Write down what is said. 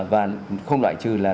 và không loại trừ là